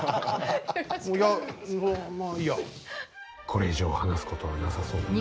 これ以上話すことはなさそうだな。